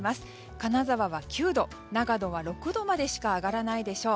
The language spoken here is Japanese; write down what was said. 金沢は９度長野は６度までしか上がらないでしょう。